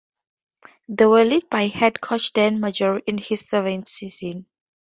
They were led by head coach Dan Majerle in his seventh season.